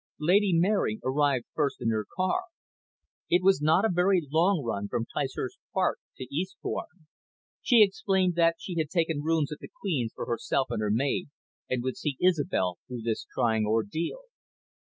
Lady Mary arrived first in her car it was not a very long run from Ticehurst Park to Eastbourne. She explained that she had taken rooms at the "Queen's" for herself and her maid, and would see Isobel through this trying ordeal.